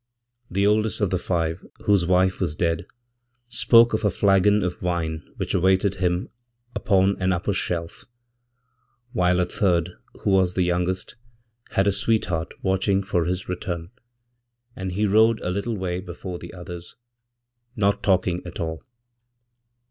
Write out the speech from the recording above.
The oldest of thefive, whose wife was dead, spoke of a flagon of wine which awaitedhim upon an upper shelf; while a third, who was the youngest, had asweetheart watching for his return, and he rode a little way beforethe others, not talking at all.